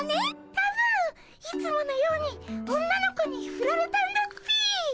多分いつものように女の子にふられたんだっピイ。